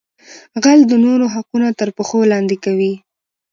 غل د نورو حقونه تر پښو لاندې کوي